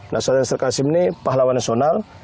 nah sultan syarikasim ini pahlawan nasional